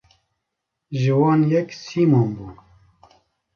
Ji wan yek Sîmon bû.